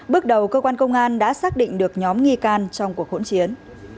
bước đầu cơ quan công an đã xác định được nhóm nghi can trong cuộc hỗn chiến